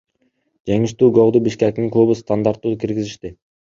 Жеңиштүү голду Бишкектин клубу стандарттуу киргизишти.